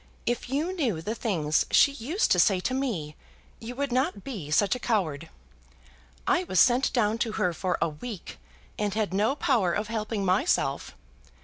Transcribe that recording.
If you knew the things she used to say to me, you would not be such a coward. I was sent down to her for a week, and had no power of helping myself.